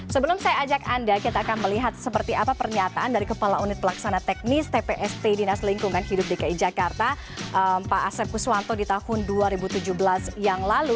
sebelum saya ajak anda kita akan melihat seperti apa pernyataan dari kepala unit pelaksana teknis tpst dinas lingkungan hidup dki jakarta pak asep kuswanto di tahun dua ribu tujuh belas yang lalu